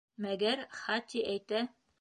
Мәгәр Хати әйтә...